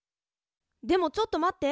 でもちょっと待って。